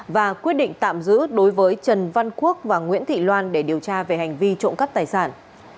và quyết định tạm giữ đối với trần văn quốc và nguyễn thị loan để điều tra về hành vi trộm cắp tài sản